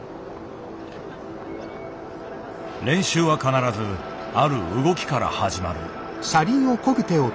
練習は必ずある動きから始まる。